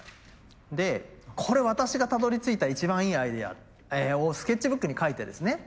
で「これ私がたどりついた一番いいアイデア」をスケッチブックにかいてですね